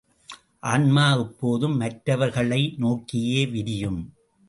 ஆன்மா எப்போதும் மற்றவர்களை நோக்கியே விரியும்.